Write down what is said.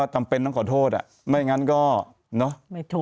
จำเป็นต้องขอโทษไม่อย่างนั้นก็